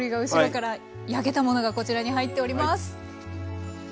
焼けたものがこちらに入っております。